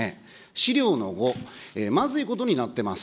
資料の５、まずいことになってます。